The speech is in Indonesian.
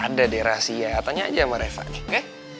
ada deh rahasia tanya aja sama reva oke